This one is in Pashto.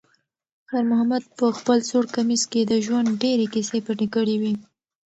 خیر محمد په خپل زوړ کمیس کې د ژوند ډېرې کیسې پټې کړې وې.